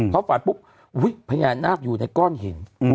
เขาฝันปุ๊บพญานาคอยู่ในก้อนหิน